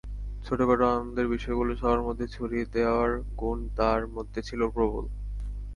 ছোটখাটো আনন্দের বিষয়গুলো সবার মধ্যে ছড়িয়ে দেওয়ার গুণ তাঁর মধ্যে ছিল প্রবল।